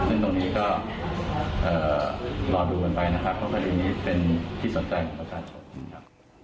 ซึ่งตรงนี้ก็เอ่อรอดูก่อนไปนะครับเพราะว่าคดีนี้เป็นที่สนใจของประกัน